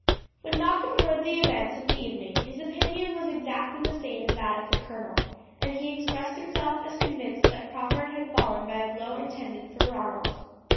When Malcolm heard the events of the evening his opinion was exactly the same as that of the colonel, and he expressed himself as convinced that Crawford had fallen by a blow intended for Ronald.